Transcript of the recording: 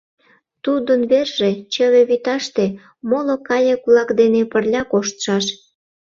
Тудын верже чыве вӱташте, моло кайык-влак дене пырля коштшаш.